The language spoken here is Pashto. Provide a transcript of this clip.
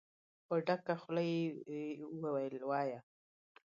په ډکه خوله يې وويل: وايه!